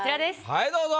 はいどうぞ。